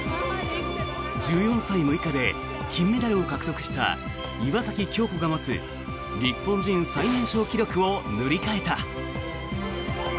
１４歳６日で金メダルを獲得した岩崎恭子が持つ日本人最年少記録を塗り替えた。